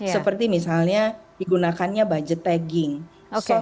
seperti misalnya digunakannya budget tagging soft earmark kemudian